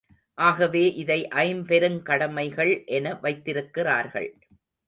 ஆகவே இதை ஐம்பெருங் கடமைகள் என வைத்திருக்கிறார்கள்.